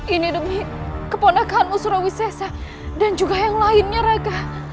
ini demi keponakanmu surawisesa dan juga yang lainnya raga